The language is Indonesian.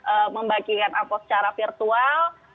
eee membagikan apa secara virtual